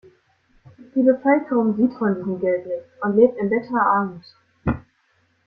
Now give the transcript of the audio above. Die Bevölkerung sieht von diesem Geld nichts und lebt in bitterer Armut.